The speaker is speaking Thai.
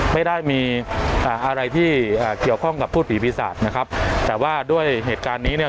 ไม่ได้มีอะไรที่เกี่ยวข้องกับพูดผีปีศาจนะครับแต่ว่าด้วยเหตุการณ์นี้เนี่ย